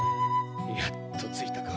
やっと着いたか。